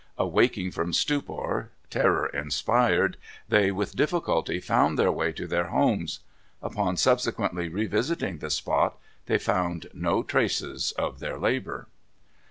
Awaking from stupor, terror inspired, they with difficulty found their way to their homes. Upon subsequently revisiting the spot they found no traces of their labor.